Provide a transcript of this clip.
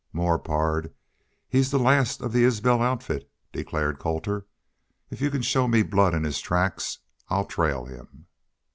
"More, pard. He's the last of the Isbel outfit," declared Colter. "If y'u can show me blood in his tracks I'll trail him."